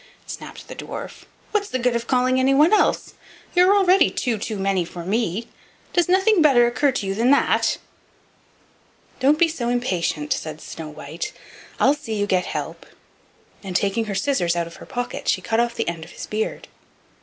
snapped the dwarf; "what's the good of calling anyone else? You're already two too many for me. Does nothing better occur to you than that?" "Don't be so impatient," said Snow white, "I'll see you get help," and taking her scissors out of her pocket she cut off the end of his beard.